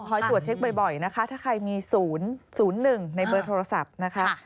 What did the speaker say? ตรวจเช็คบ่อยนะคะถ้าใครมี๐๐๑ในเบอร์โทรศัพท์นะคะ